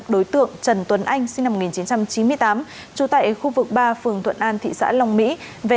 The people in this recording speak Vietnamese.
đối tượng trần tuấn anh sinh năm một nghìn chín trăm chín mươi tám trú tại khu vực ba phường thuận an tp long mỹ